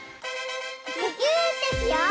むぎゅーってしよう！